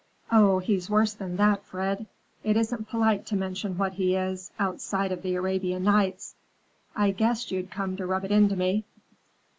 "Oh, he's worse than that, Fred. It isn't polite to mention what he is, outside of the Arabian Nights. I guessed you'd come to rub it into me."